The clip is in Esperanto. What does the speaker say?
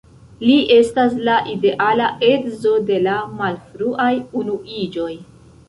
Li estas la ideala edzo de la malfruaj unuiĝoj.